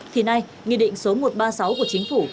thì nay nghị định số một trăm ba mươi sáu của chính phủ